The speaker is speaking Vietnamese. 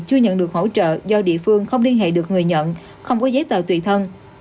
chưa nhận được hỗ trợ do địa phương không liên hệ được người nhận không có giấy tờ tùy thân